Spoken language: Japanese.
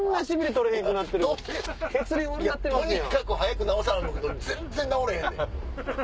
とにかく早く治さな思うけど全然治れへんねん。